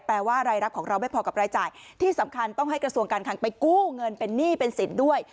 แปลว่ารายรับของเราไม่พอกับรายจ่ายที่สำคัญต้องให้กระทรวงการคังไปกู้เงินเป็นหนี้เป็นสินด้วย